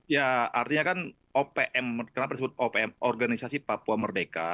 ya artinya kan opm kenapa disebut opm organisasi papua merdeka